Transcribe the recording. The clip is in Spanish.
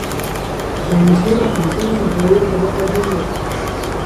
Se inició en las divisiones inferiores de Boca Juniors.